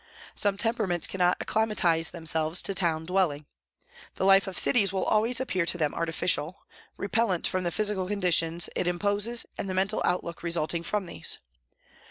Some temperaments cannot acclimatise themselves to. town dwelling. The life of cities will always appear to them artificial, repellent from the physical conditions it imposes and the mental outlook result ing from these.